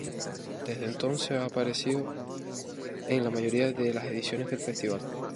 Desde entonces, ha aparecido en la mayoría de las ediciones del festival.